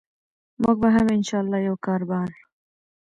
موږ به هم إن شاء الله یو کاربار